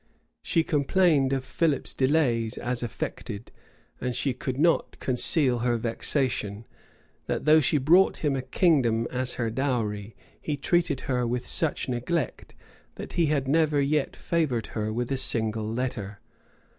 [*] She complained of Philip's delays as affected; and she could not conceal her vexation, that, though she brought him a kingdom as her dowry, he treated her with such neglect that he had never yet favored her with a single letter.